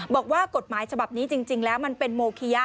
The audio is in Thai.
บอกว่ากฎหมายฉบับนี้จริงแล้วมันเป็นโมคิยะ